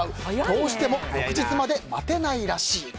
どうしても翌日まで待てないらしい。